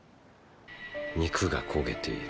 肉が焦げている。